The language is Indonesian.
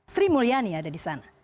sri mulyani ada di sana